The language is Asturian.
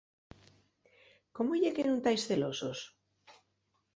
¿Cómo ye que nun tais celosos?